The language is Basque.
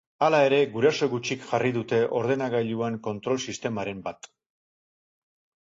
Hala ere, guraso gutxik jarri dute ordenagailuan kontrol sistemaren bat.